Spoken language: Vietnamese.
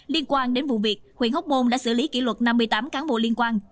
liên quan đến vụ việc huyện hóc môn đã xử lý kỷ luật năm mươi tám cán bộ liên quan